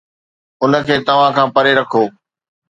ان کي توهان کان پري رکو